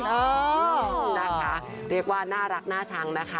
เออนะคะเรียกว่าน่ารักน่าชังนะคะ